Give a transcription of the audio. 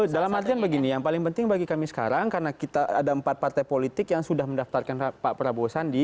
dalam artian begini yang paling penting bagi kami sekarang karena kita ada empat partai politik yang sudah mendaftarkan pak prabowo sandi